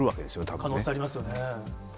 可能性ありますよね。